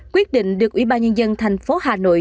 quyết định được ủy ban nhân dân thành phố hà nội